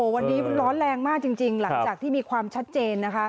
วันนี้มันร้อนแรงมากจริงหลังจากที่มีความชัดเจนนะคะ